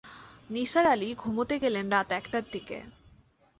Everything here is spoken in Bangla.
নিসার আলি ঘুমুতে গেলেন রাত একটার দিকে।